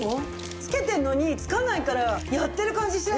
つけてるのにつかないからやってる感じしない。